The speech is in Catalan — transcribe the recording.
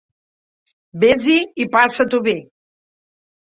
Vés-hi i passa-t'ho bé.